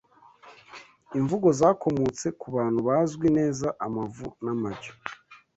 imvugo zakomotse ku bantu bazwi neza amavu n’amajyo